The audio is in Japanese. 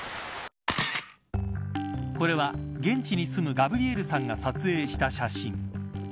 これは、現地に住むガブリエルさんが撮影した写真。